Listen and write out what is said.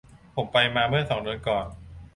ผมไปมาเมื่อสองเดือนก่อน